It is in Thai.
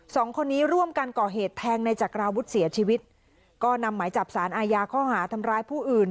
สองคนนี้ร่วมกันก่อเหตุแทงในจักราวุฒิเสียชีวิตก็นำหมายจับสารอาญาข้อหาทำร้ายผู้อื่น